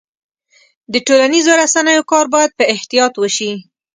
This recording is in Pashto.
د ټولنیزو رسنیو کار باید په احتیاط وشي.